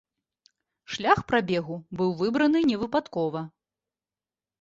Шлях прабегу быў выбраны невыпадкова.